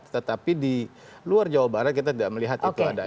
tetapi di luar jawa barat kita tidak melihat itu ada efek yang signifikan